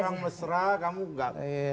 orang mesra kamu enggak